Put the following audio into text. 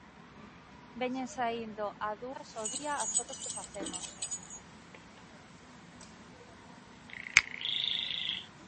Veñen saíndo a dúas ao día as fotos que facemos.